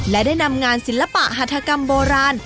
และได้นำงานศิลปะหัฐกรรมโบราณ